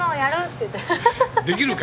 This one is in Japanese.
「できるか？」